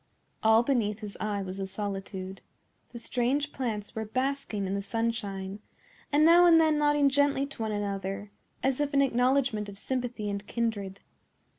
All beneath his eye was a solitude. The strange plants were basking in the sunshine, and now and then nodding gently to one another, as if in acknowledgment of sympathy and kindred.